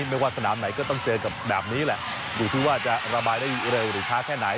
ไม่ว่าสนามไหนก็ต้องเจอกับแบบนี้แหละอยู่ที่ว่าจะระบายได้เร็วหรือช้าแค่ไหน